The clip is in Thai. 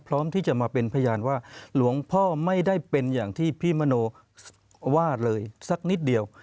พร้อมที่จะมาเป็นพยานว่าหลวงพ่อไม่ได้เป็นอย่างที่พี่มโนว่าเลยสักนิดเดียว